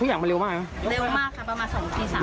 ทุกอย่างมันเร็วมากเร็วมากค่ะประมาณ๒ที๓